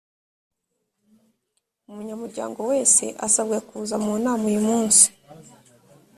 umunyamuryango wese asabwe kuza mu nama uyu munsi